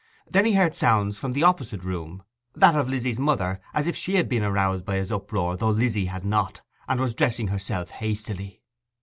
Then he heard sounds from the opposite room, that of Lizzy's mother, as if she had been aroused by his uproar though Lizzy had not, and was dressing herself hastily.